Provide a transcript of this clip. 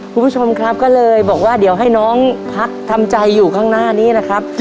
คุณผู้ชมครับก็เลยบอกว่าเดี๋ยวให้น้องพักทำใจอยู่ข้างหน้านี้นะครับ